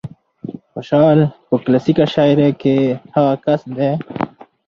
خوشال په کلاسيکه شاعرۍ کې هغه کس دى